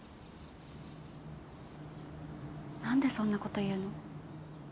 何でそんなこと言うの？